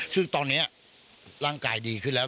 ซึ่งตอนนี้ร่างกายดีขึ้นแล้ว